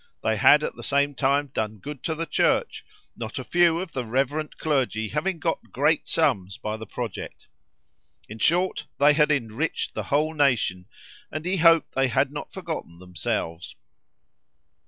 They had at the same time done good to the Church, not a few of the reverend clergy having got great sums by the project. In short, they had enriched the whole nation, and he hoped they had not forgotten themselves.